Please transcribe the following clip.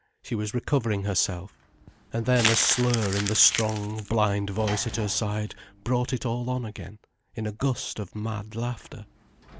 She was recovering herself. And then a slur in the strong, blind voice at her side brought it all on again, in a gust of mad laughter.